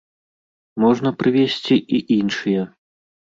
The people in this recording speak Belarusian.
Можна прывесці і іншыя.